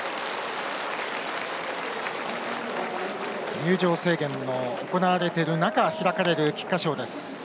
入場制限が行われている中開かれる菊花賞です。